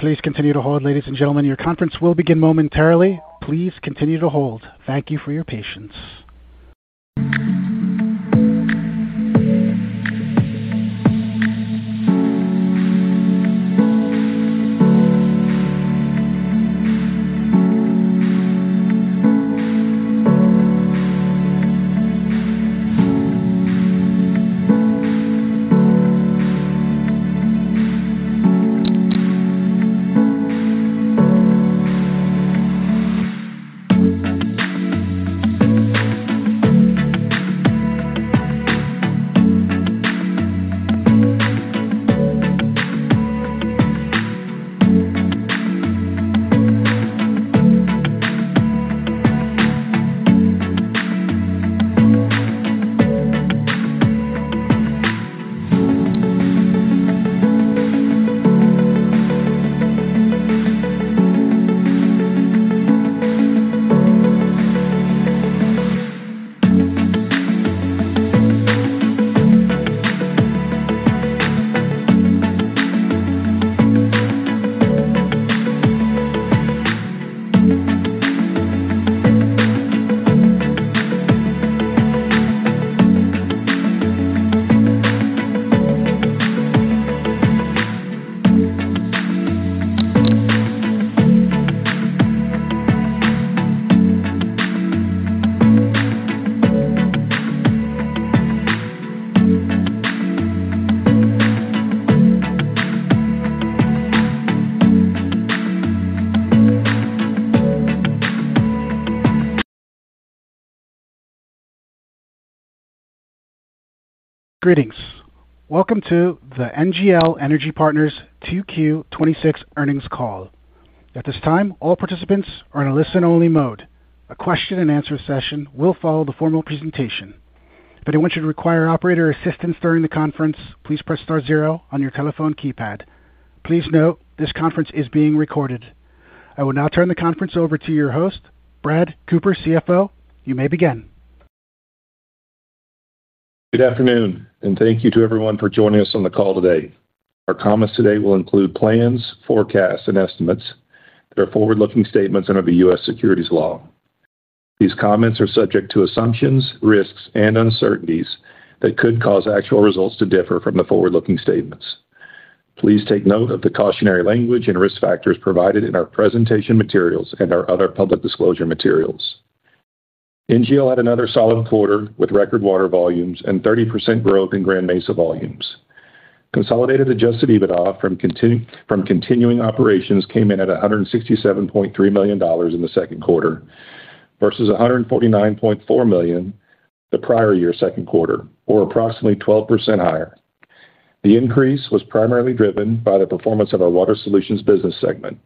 Please continue to hold, ladies and gentlemen. Your conference will begin momentarily. Please continue to hold. Thank you for your patience. Greetings. Welcome to the NGL Energy Partners Q2 2026 earnings call. At this time, all participants are in a listen-only mode. A question-and-answer session will follow the formal presentation. If anyone should require operator assistance during the conference, please press star zero on your telephone keypad. Please note this conference is being recorded. I will now turn the conference over to your host, Brad Cooper, CFO. You may begin. Good afternoon, and thank you to everyone for joining us on the call today. Our comments today will include plans, forecasts, and estimates that are forward-looking statements under the U.S. securities laws. These comments are subject to assumptions, risks, and uncertainties that could cause actual results to differ from the forward-looking statements. Please take note of the cautionary language and risk factors provided in our presentation materials and our other public disclosure materials. NGL had another solid quarter with record water volumes and 30% growth in Grand Mesa volumes. Consolidated Adjusted EBITDA from continuing operations came in at $167.3 million in the second quarter versus $149.4 million the prior year's second quarter, or approximately 12% higher. The increase was primarily driven by the performance of our Water Solutions business segment.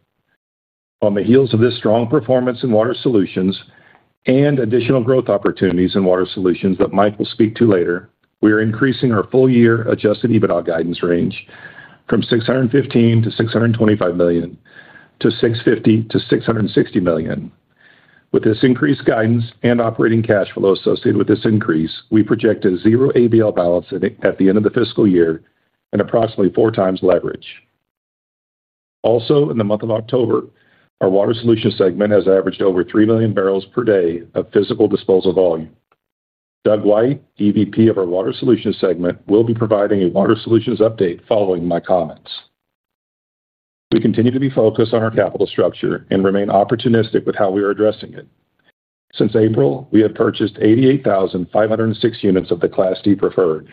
On the heels of this strong performance in Water Solutions and additional growth opportunities in Water Solutions that Mike will speak to later, we are increasing our full-year Adjusted EBITDA guidance range from $615 million-$625 million-$650 million-$660 million. With this increased guidance and operating cash flow associated with this increase, we project a zero ABL balance at the end of the fiscal year and approximately 4x leverage. Also, in the month of October, our Water Solutions segment has averaged over 3 million bbls per day of physical disposal volume. Doug White, EVP of our Water Solutions segment, will be providing a Water Solutions update following my comments. We continue to be focused on our capital structure and remain opportunistic with how we are addressing it. Since April, we have purchased 88,506 units of the Class D preferred,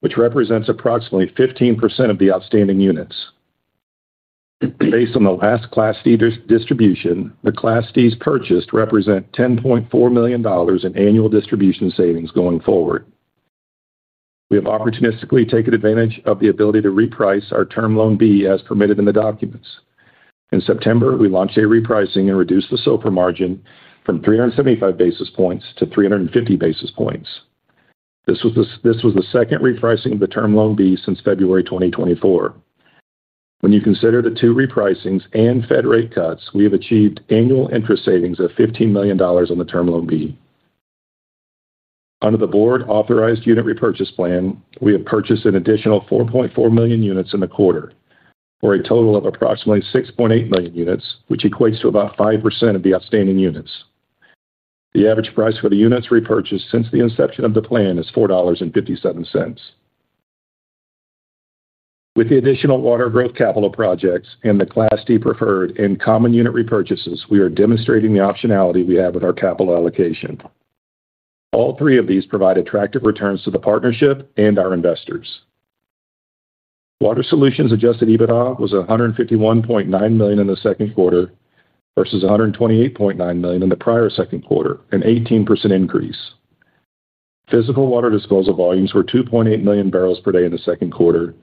which represents approximately 15% of the outstanding units. Based on the last Class D distribution, the Class Ds purchased represent $10.4 million in annual distribution savings going forward. We have opportunistically taken advantage of the ability to reprice our term loan B as permitted in the documents. In September, we launched a repricing and reduced the SOFR margin from 375 basis points to 350 basis points. This was the second repricing of the term loan B since February 2024. When you consider the two repricings and Fed rate cuts, we have achieved annual interest savings of $15 million on the term loan B. Under the board authorized unit repurchase plan, we have purchased an additional 4.4 million units in the quarter for a total of approximately 6.8 million units, which equates to about 5% of the outstanding units. The average price for the units repurchased since the inception of the plan is $4.57. With the additional water growth capital projects and the Class D preferred and common unit repurchases, we are demonstrating the optionality we have with our capital allocation. All three of these provide attractive returns to the partnership and our investors. Water Solutions Adjusted EBITDA was $151.9 million in the second quarter versus $128.9 million in the prior second quarter, an 18% increase. Physical water disposal volumes were 2.8 million bbls per day in the second quarter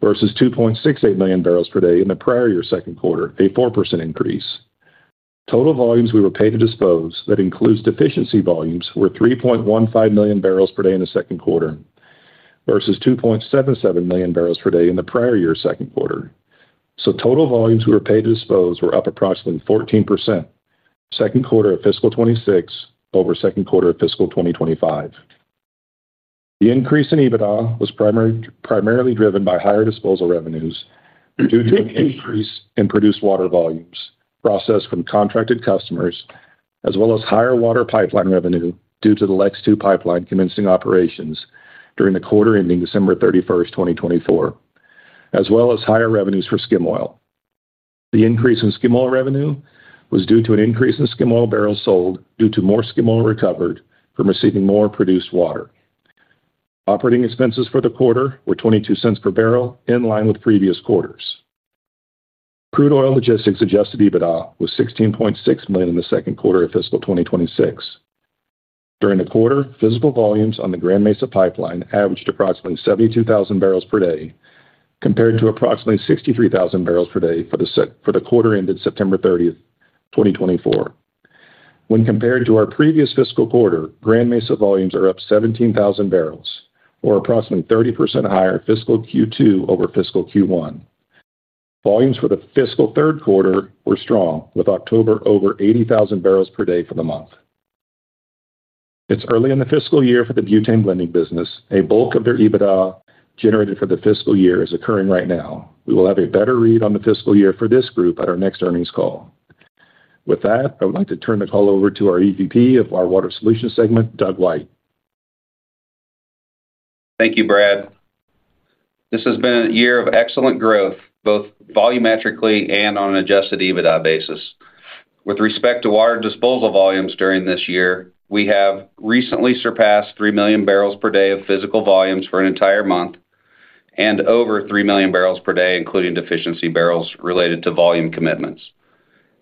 versus 2.68 million bbls per day in the prior year's second quarter, a 4% increase. Total volumes we were paid to dispose that includes deficiency volumes were 3.15 million bbls per day in the second quarter versus 2.77 million bbls per day in the prior year's second quarter. So total volumes we were paid to dispose were up approximately 14%. Second quarter of fiscal 2026 over second quarter of fiscal 2025. The increase in EBITDA was primarily driven by higher disposal revenues due to an increase in produced water volumes processed from contracted customers, as well as higher water pipeline revenue due to the LEX II pipeline commencing operations during the quarter ending December 31st, 2024, as well as higher revenues for skim oil. The increase in skim oil revenue was due to an increase in skim oil barrels sold due to more skim oil recovered from receiving more produced water. Operating expenses for the quarter were $0.22 per barrel, in line with previous quarters. Crude Oil Logistics Adjusted EBITDA was $16.6 million in the second quarter of fiscal 2026. During the quarter, physical volumes on the Grand Mesa pipeline averaged approximately 72,000 bbls per day compared to approximately 63,000 bbls per day for the quarter ended September 30th, 2024. When compared to our previous fiscal quarter, Grand Mesa volumes are up 17,000 bbls, or approximately 30% higher fiscal Q2 over fiscal Q1. Volumes for the fiscal third quarter were strong, with October over 80,000 bbls per day for the month. It's early in the fiscal year for the butane blending business. A bulk of their EBITDA generated for the fiscal year is occurring right now. We will have a better read on the fiscal year for this group at our next earnings call. With that, I would like to turn the call over to our EVP of our Water Solutions segment, Doug White. Thank you, Brad. This has been a year of excellent growth, both volumetrically and on an Adjusted EBITDA basis. With respect to water disposal volumes during this year, we have recently surpassed 3 million bbls per day of physical volumes for an entire month, and over 3 million bbls per day, including deficiency barrels related to volume commitments.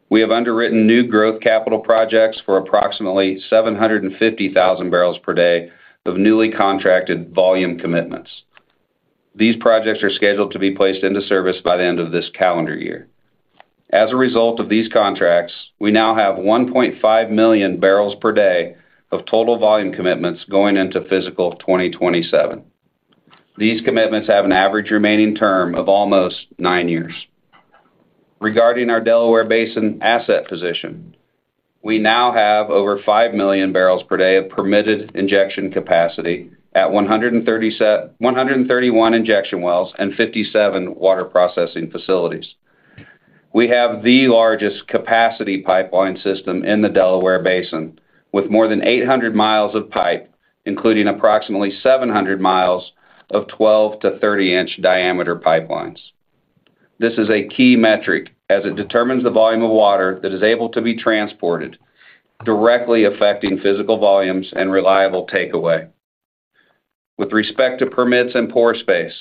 We have underwritten new growth capital projects for approximately 750,000 bbls per day of newly contracted volume commitments. These projects are scheduled to be placed into service by the end of this calendar year. As a result of these contracts, we now have 1.5 million bbls per day of total volume commitments going into fiscal 2027. These commitments have an average remaining term of almost nine years. Regarding our Delaware Basin asset position, we now have over 5 million bbls per day of permitted injection capacity at 131 injection wells and 57 water processing facilities. We have the largest capacity pipeline system in the Delaware Basin, with more than 800 mi of pipe, including approximately 700 mi of 12-30-in diameter pipelines. This is a key metric as it determines the volume of water that is able to be transported, directly affecting physical volumes and reliable takeaway. With respect to permits and pore space,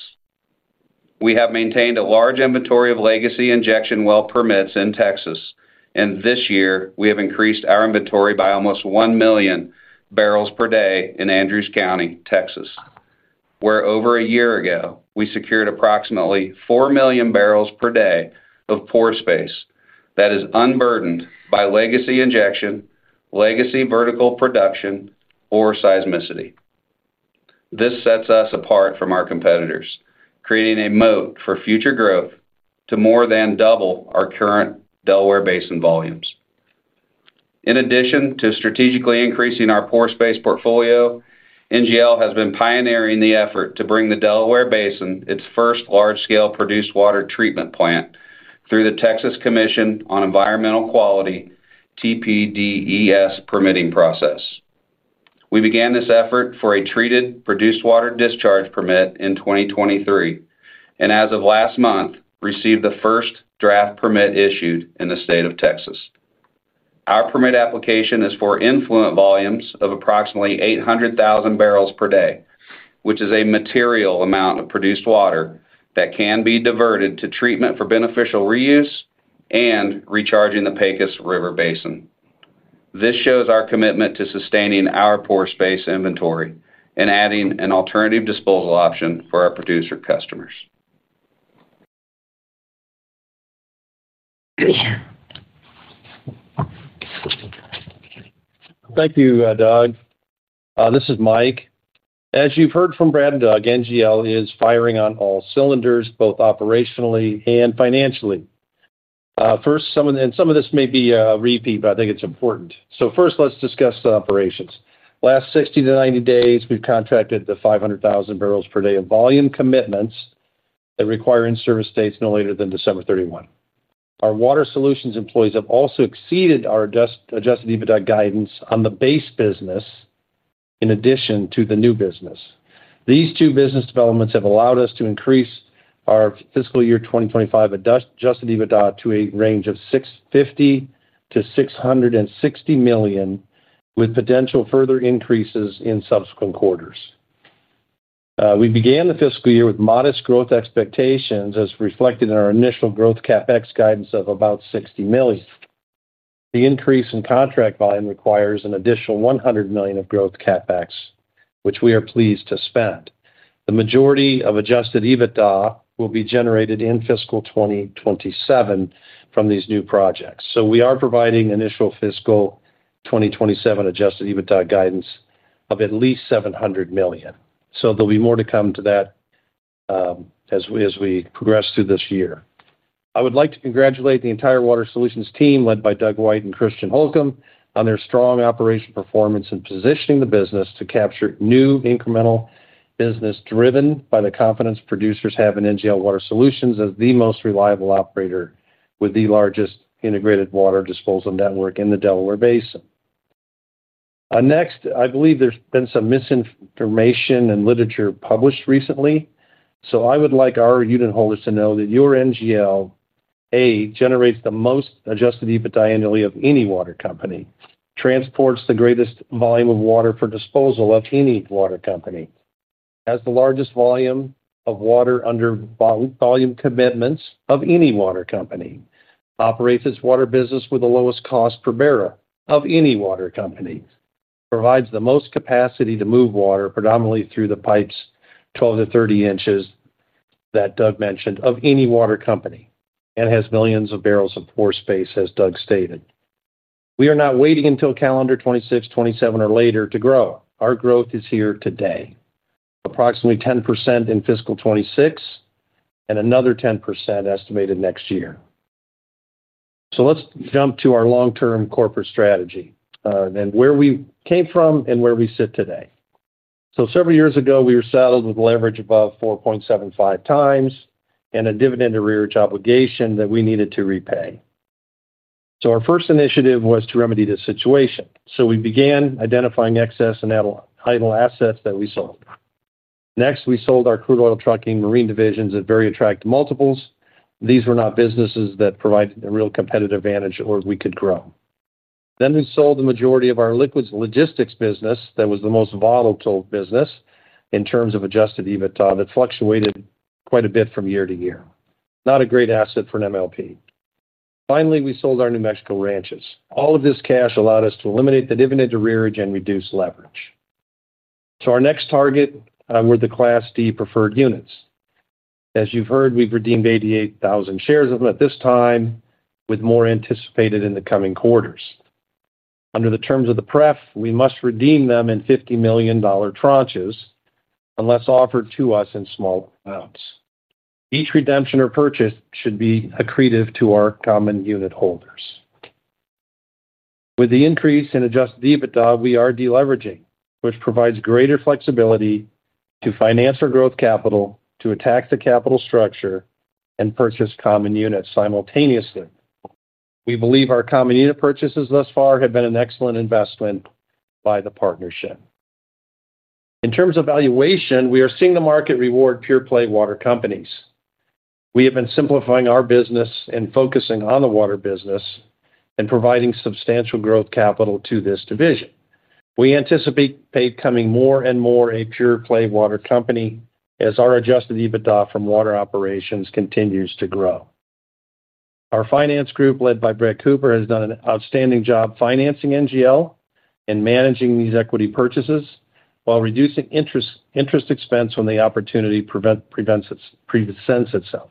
we have maintained a large inventory of legacy injection well permits in Texas. And this year, we have increased our inventory by almost 1 million bbls per day in Andrews County, Texas, where over a year ago, we secured approximately 4 million bbls per day of pore space that is unburdened by legacy injection, legacy vertical production, or seismicity. This sets us apart from our competitors, creating a moat for future growth to more than double our current Delaware Basin volumes. In addition to strategically increasing our pore space portfolio, NGL has been pioneering the effort to bring the Delaware Basin its first large-scale produced water treatment plant through the Texas Commission on Environmental Quality, TPDES, permitting process. We began this effort for a treated produced water discharge permit in 2023, and as of last month, received the first draft permit issued in the state of Texas. Our permit application is for influent volumes of approximately 800,000 bbls per day, which is a material amount of produced water that can be diverted to treatment for beneficial reuse and recharging the Pecos River Basin. This shows our commitment to sustaining our pore space inventory and adding an alternative disposal option for our producer customers. Thank you, Doug. This is Mike. As you've heard from Brad and Doug, NGL is firing on all cylinders, both operationally and financially. Some of this may be a repeat, but I think it's important. So first, let's discuss the operations. Last 60 to 90 days, we've contracted the 500,000 bbls per day of volume commitments that require in-service dates no later than December 31. Our water solutions employees have also exceeded our Adjusted EBITDA guidance on the base business. In addition to the new business. These two business developments have allowed us to increase our fiscal year 2025 Adjusted EBITDA to a range of $650 million-660 million, with potential further increases in subsequent quarters. We began the fiscal year with modest growth expectations, as reflected in our initial growth CapEx guidance of about $60 million. The increase in contract volume requires an additional $100 million of growth CapEx, which we are pleased to spend. The majority of Adjusted EBITDA will be generated in fiscal 2027 from these new projects. So we are providing initial fiscal 2027 Adjusted EBITDA guidance of at least $700 million. So there'll be more to come to that. As we progress through this year. I would like to congratulate the entire water solutions team, led by Doug White and Christian Holcomb, on their strong operational performance in positioning the business to capture new incremental business driven by the confidence producers have in NGL Water Solutions as the most reliable operator with the largest integrated water disposal network in the Delaware Basin. Next, I believe there's been some misinformation and literature published recently. So I would like our unit holders to know that your NGL generates the most Adjusted EBITDA annually of any water company, transports the greatest volume of water for disposal of any water company, has the largest volume of water under volume commitments of any water company, operates its water business with the lowest cost per barrel of any water company, provides the most capacity to move water predominantly through the pipes 12-30 in that Doug mentioned of any water company, and has millions of barrels of pore space, as Doug stated. We are not waiting until calendar 2026, 2027, or later to grow. Our growth is here today. Approximately 10% in fiscal 2026. And another 10% estimated next year. So let's jump to our long-term corporate strategy and where we came from and where we sit today. So several years ago, we were saddled with leverage above 4.75x and a dividend arrearage obligation that we needed to repay. So our first initiative was to remedy the situation. So we began identifying excess and idle assets that we sold. Next, we sold our crude oil trucking marine divisions at very attractive multiples. These were not businesses that provided a real competitive advantage or we could grow. Then we sold the majority of our Liquids Logistics business that was the most volatile business in terms of Adjusted EBITDA that fluctuated quite a bit from year to year. Not a great asset for an MLP. Finally, we sold our New Mexico ranches. All of this cash allowed us to eliminate the dividend arrearage and reduce leverage. So our next target were the Class D preferred units. As you've heard, we've redeemed 88,000 units of them at this time, with more anticipated in the coming quarters. Under the terms of the prefs, we must redeem them in $50 million tranches unless offered to us in small amounts. Each redemption or purchase should be accretive to our common unit holders. With the increase in Adjusted EBITDA, we are deleveraging, which provides greater flexibility to finance our growth capital, to attack the capital structure, and purchase common units simultaneously. We believe our common unit purchases thus far have been an excellent investment by the partnership. In terms of valuation, we are seeing the market reward pure play water companies. We have been simplifying our business and focusing on the water business. And providing substantial growth capital to this division. We anticipate becoming more and more a pure play water company as our Adjusted EBITDA from water operations continues to grow. Our finance group, led by Brett Cooper, has done an outstanding job financing NGL and managing these equity purchases while reducing interest expense when the opportunity presents itself.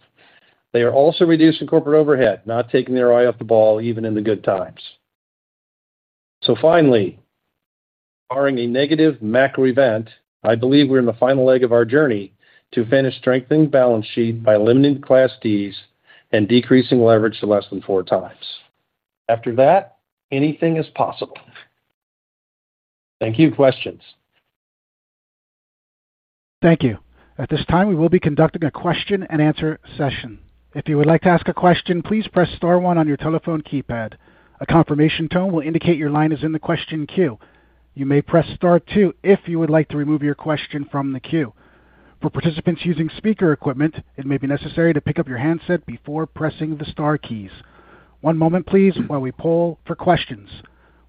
They are also reducing corporate overhead, not taking their eye off the ball, even in the good times. So finally. Barring a negative macro event, I believe we're in the final leg of our journey to finish strengthening balance sheet by limiting Class Ds and decreasing leverage to less than 4x. After that, anything is possible. Thank you. Questions? Thank you. At this time, we will be conducting a question and answer session. If you would like to ask a question, please press star one on your telephone keypad. A confirmation tone will indicate your line is in the question queue. You may press star two if you would like to remove your question from the queue. For participants using speaker equipment, it may be necessary to pick up your handset before pressing the star keys. One moment, please, while we poll for questions.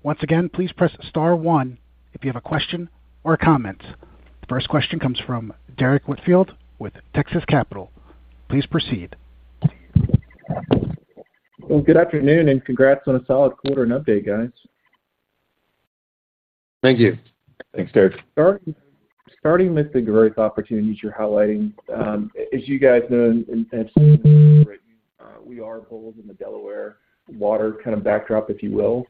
Once again, please press star one if you have a question or a comment. The first question comes from Derrick Whitfield with Texas Capital. Please proceed. Good afternoon and congrats on a solid quarter and update, guys. Thank you. Thanks, Derrick. Starting with the growth opportunities you're highlighting, as you guys know and have seen right now, we are bulls in the Delaware water kind of backdrop, if you will.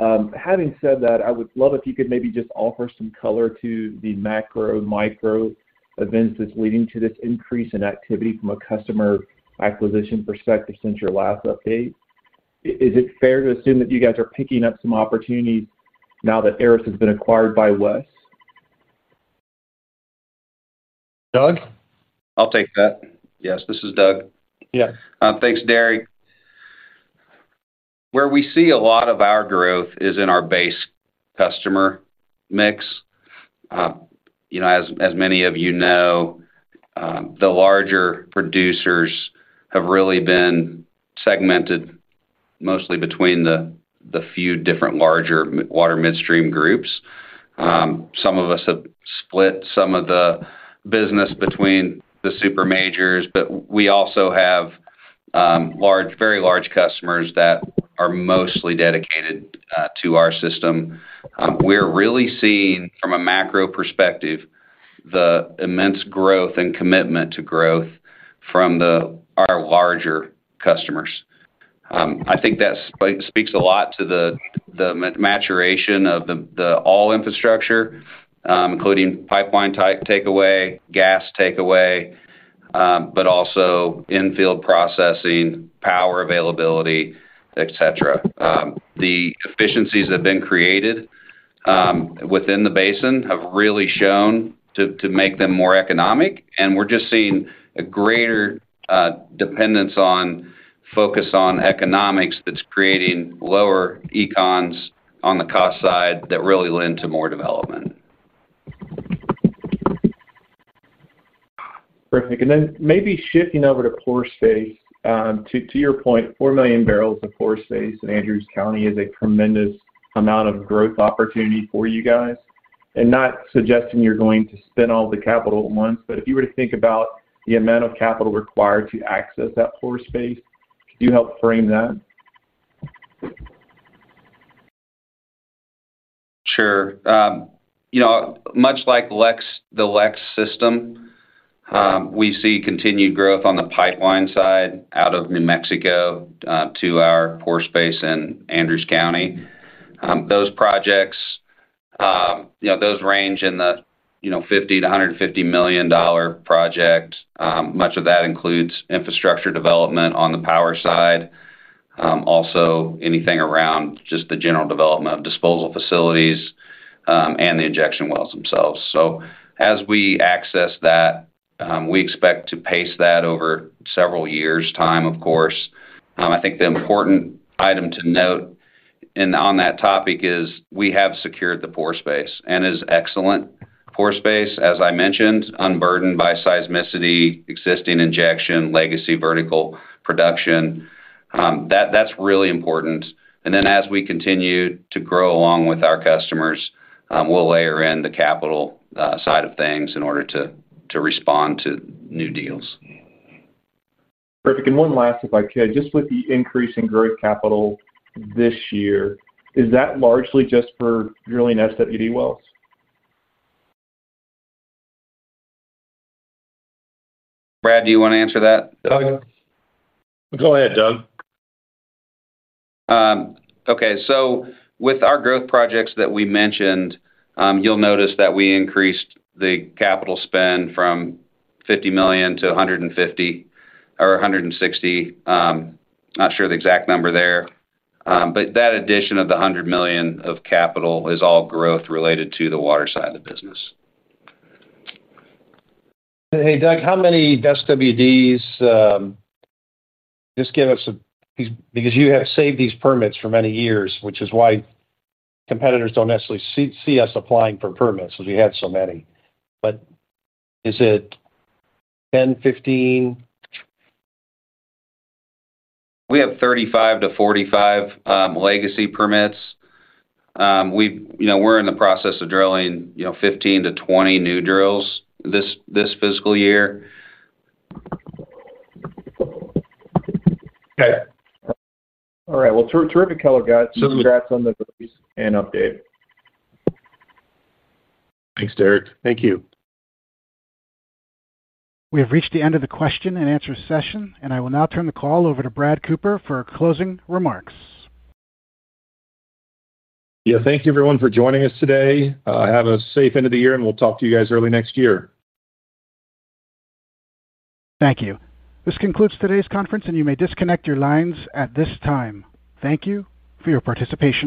Having said that, I would love if you could maybe just offer some color to the macro, micro events that's leading to this increase in activity from a customer acquisition perspective since your last update. Is it fair to assume that you guys are picking up some opportunities now that Aeris has been acquired by Wes? Doug? I'll take that. Yes, this is Doug. Yeah. Thanks, Derrick. Where we see a lot of our growth is in our base customer mix. As many of you know, the larger producers have really been segmented mostly between the few different larger water midstream groups. Some of us have split some of the business between the super majors, but we also have very large customers that are mostly dedicated to our system. We're really seeing, from a macro perspective, the immense growth and commitment to growth from our larger customers. I think that speaks a lot to the maturation of the overall infrastructure, including pipeline takeaway, gas takeaway, but also infield processing, power availability, etc. The efficiencies that have been created within the basin have really shown to make them more economic, and we're just seeing a greater dependence on focus on economics that's creating lower econ on the cost side that really lends to more development. Perfect. And then maybe shifting over to pore space. To your point, 4 million bbls of pore space in Andrews County is a tremendous amount of growth opportunity for you guys. And not suggesting you're going to spend all the capital at once, but if you were to think about the amount of capital required to access that pore space, could you help frame that? Sure. Much like the LEX system, we see continued growth on the pipeline side out of New Mexico to our pore space in Andrews County. Those projects range in the $50 million-$150-million dollar project. Much of that includes infrastructure development on the power side. Also anything around just the general development of disposal facilities and the injection wells themselves, so as we access that. We expect to pace that over several years' time, of course. I think the important item to note on that topic is we have secured the pore space and is excellent pore space, as I mentioned, unburdened by seismicity, existing injection, legacy vertical production. That's really important, and then as we continue to grow along with our customers, we'll layer in the capital side of things in order to respond to new deals. Perfect. And one last, if I could, just with the increase in growth capital this year, is that largely just for drilling SWD wells? Brad, do you want to answer that? No. Go ahead, Doug Okay. So with our growth projects that we mentioned, you'll notice that we increased the capital spend from $50 million-$150 million or $160 million. Not sure the exact number there. But that addition of the $100 million of capital is all growth related to the water side of the business. Hey, Doug, how many SWDs? Just give us a because you have saved these permits for many years, which is why competitors don't necessarily see us applying for permits because we had so many. But is it 10, 15? We have 35-45 legacy permits. We're in the process of drilling 15-20 new drills this fiscal year. Okay. All right. Well, terrific, quarter. Congrats on the release and update. Thanks, Derrick. Thank you. We have reached the end of the question-and-answer session, and I will now turn the call over to Brad Cooper for closing remarks. Yeah. Thank you, everyone, for joining us today. Have a safe end of the year, and we'll talk to you guys early next year. Thank you. This concludes today's conference, and you may disconnect your lines at this time. Thank you for your participation.